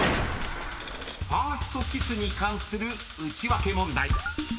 ［ファーストキスに関するウチワケ問題］